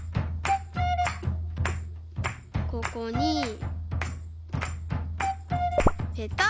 ここにペタッ！